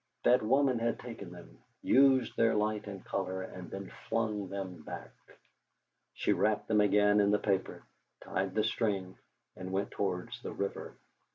That woman had taken them, used their light and colour, and then flung them back! She wrapped them again in the paper, tied the string, and went towards the river.